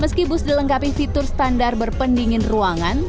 meski bus dilengkapi fitur standar berpendingin ruangan